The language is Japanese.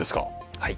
はい。